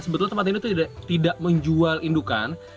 sebetulnya tempat ini itu tidak menjual indukan